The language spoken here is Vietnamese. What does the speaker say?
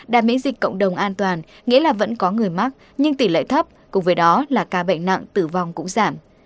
đã miễn dịch cộng đồng an toàn nghĩa là vẫn có người mắc nhưng tỷ lệ thấp cùng với đó là ca bệnh nặng tử vong cũng giảm